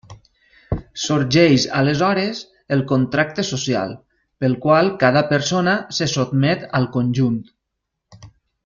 Sorgeix aleshores el contracte social, pel qual cada persona se sotmet al conjunt.